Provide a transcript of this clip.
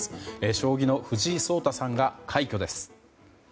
将棋の藤井聡太さんが快挙です。